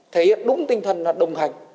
thế hiệp đúng tinh thần là đồng hành